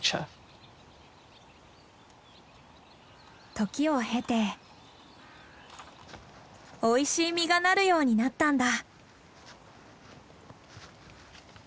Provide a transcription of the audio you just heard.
時を経ておいしい実がなるようになったんだ。